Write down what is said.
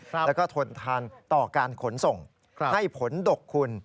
แล้วก็ทนทานต่อการขนส่งให้ผลดกคุณ